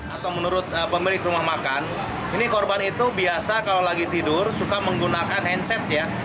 atau menurut pemilik rumah makan ini korban itu biasa kalau lagi tidur suka menggunakan handset ya